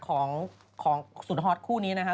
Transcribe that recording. ของศูนย์ฮอตคู่นี้นะฮะ